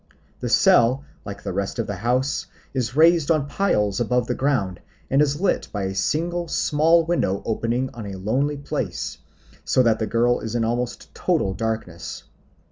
The cell, like the rest of the house, is raised on piles above the ground, and is lit by a single small window opening on a lonely place, so that the girl is in almost total darkness.